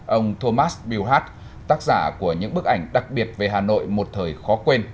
ông thomas billhart tác giả của những bức ảnh đặc biệt về hà nội một thời khó quên